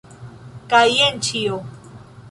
Kaj jen ĉio.